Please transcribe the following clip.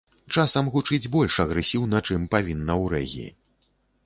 Часам гучыць больш агрэсіўна, чым павінна ў рэгі.